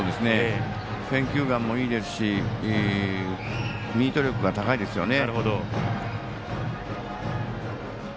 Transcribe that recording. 選球眼もいいですしミート力が高いですね。